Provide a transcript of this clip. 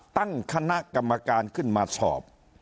ตั้งคณะกรรมการขึ้นมาสอบ